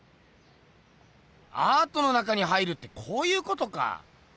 アートの中に入るってこういうことか。